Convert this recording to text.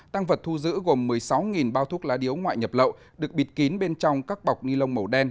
tăng vật thu giữ gồm một mươi sáu bao thuốc lá điếu ngoại nhập lậu được bịt kín bên trong các bọc ni lông màu đen